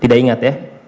tidak ingat ya